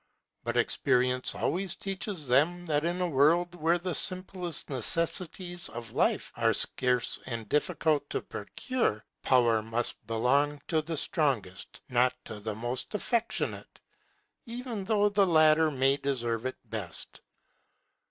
But experience always teaches them that in a world where the simplest necessaries of life are scarce and difficult to procure, power must belong to the strongest, not to the most affectionate, even though the latter may deserve it best.